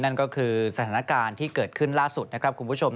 นั่นก็คือสถานการณ์ที่เกิดขึ้นล่าสุดนะครับคุณผู้ชม